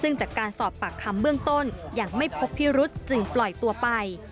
ซึ่งจากการสอบปากคำเบื้องต้นยังไม่พบพิรุษจึงปล่อยตัวไป